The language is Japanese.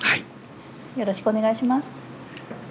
よろしくお願いします。